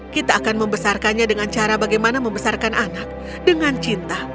kita akan membesarkannya dengan cara bagaimana membesarkan anak dengan cinta